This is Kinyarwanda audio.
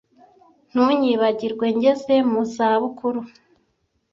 Ntunyibagirwe ngeze mu zabukuru